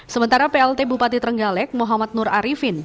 sementara plt bupati trenggalek muhammad nur arifin